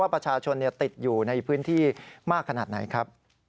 ประชาชนติดอยู่ในพื้นที่มากขนาดไหนครับ